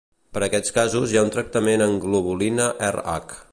Per a aquests casos hi ha un tractament amb globulina Rh.